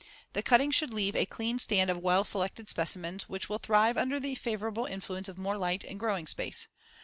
The cutting should leave a clean stand of well selected specimens which will thrive under the favorable influence of more light and growing space.